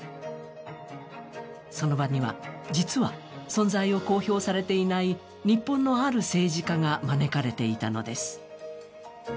その場には、実は存在を公表されていない日本のある政治家が招かれていたのです。